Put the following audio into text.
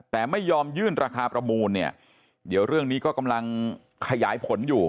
แต่ไม่ยอมยื่นราคาประมูลเนี่ยเดี๋ยวเรื่องนี้ก็กำลังขยายผลอยู่